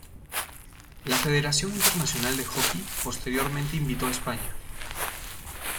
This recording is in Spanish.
La Federación Internacional de Hockey posteriormente invitó a España.